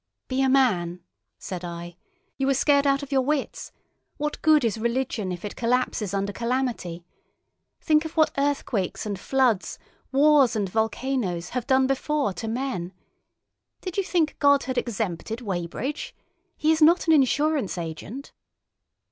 "Be a man!" said I. "You are scared out of your wits! What good is religion if it collapses under calamity? Think of what earthquakes and floods, wars and volcanoes, have done before to men! Did you think God had exempted Weybridge? He is not an insurance agent."